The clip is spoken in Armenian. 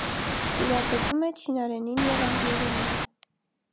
Տիրապետում է չինարենին և անգլերենին։